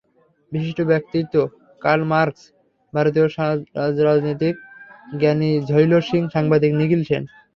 বিশিষ্ট ব্যক্তিত্ব Karl Marx, ভারতীয় রাজনীতিক জ্ঞানী ঝৈল সিং, সাংবাদিক নিখিল সেন।